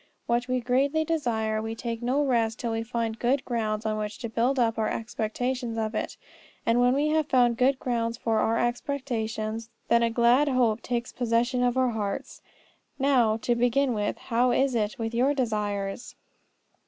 What we greatly desire we take no rest till we find good grounds on which to build up our expectations of it; and when we have found good grounds for our expectations, then a glad hope takes possession of our hearts. Now, to begin with, how is it with your desires?